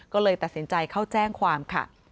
ก็เลยตัดสินใจเข้าแจ้งความค่ะ